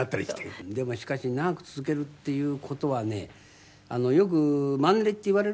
でもしかし長く続けるっていう事はねよくマンネリって言われる？